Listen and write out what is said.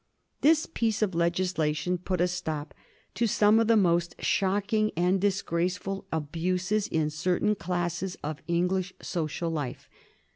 This piece of legislation put a »top to some of the most shocking and disgraceful abuses in certain classes of English social life.